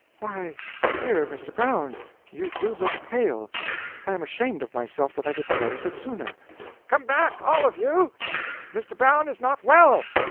"Why, dear Mr. Brown! You do look pale; I am ashamed of myself that I didn't notice it sooner. Come back all of you! Mr. Brown is not well.